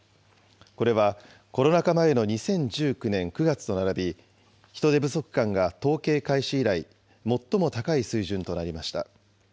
これはコロナ禍前の２０１９年９月と並び、人手不足感が統計開始以来、最も高い水準となりました。